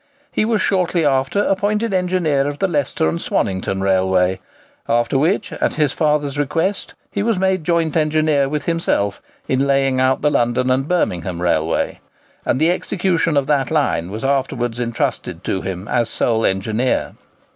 He was shortly after appointed engineer of the Leicester and Swannington Railway; after which, at his father's request, he was made joint engineer with himself in laying out the London and Birmingham Railway, and the execution of that line was afterwards entrusted to him as sole engineer.